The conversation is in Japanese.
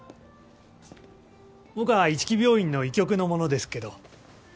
僕は一木病院の医局の者ですけど。